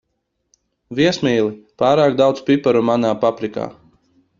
Viesmīli, pārāk daudz piparu manā paprikā.